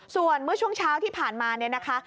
ส่วนเมื่อช่วงเช้าที่ผ่านมาเนี่ยนะคะ